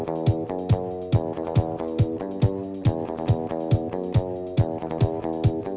โอ้โห